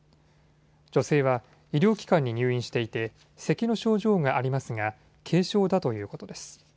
女性は医療機関に入院していてせきの症状がありますが軽症だということです。